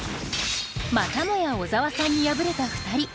またもや小沢さんに敗れた２人。